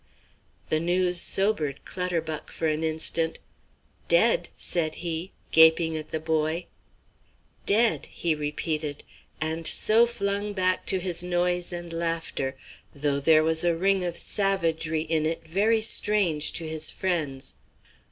The news sobered Clutterbuck for an instant. "Dead!" said he, gaping at the boy. "Dead!" he repeated, and so flung back to his noise and laughter, though there was a ring of savagery in it very strange to his friends.